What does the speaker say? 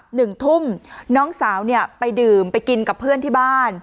หนึ่งทุ่มน้องสาวเนี่ยไปดื่มไปกินกับเพื่อนที่บ้าน